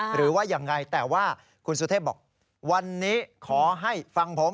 หรือว่ายังไงแต่ว่าคุณสุเทพบอกวันนี้ขอให้ฟังผม